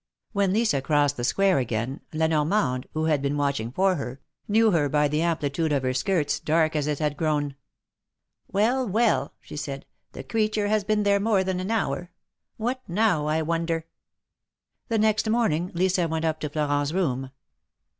When Lisa crossed the Square again. La Normande, who had been watching for her, knew her by the amplitude of her skirts, dark as it had grown. "Well, well!^' she said. "The creature has been there more than an hour. What now, I wonder ?'' The next morning Lisa went up to Florent's room.